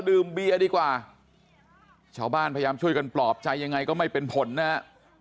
ดื่มเบียร์ดีกว่าชาวบ้านพยายามช่วยกันปลอบใจยังไงก็ไม่เป็นผลนะฮะ